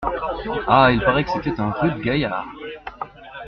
Ah ! il paraît que c’était un rude gaillard !